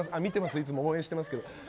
いつも応援してます。